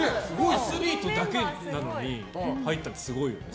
アスリートだけなのに入ったってすごいよね。